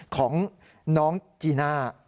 ของน้องจีน่า